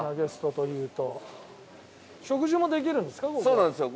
そうなんですよ。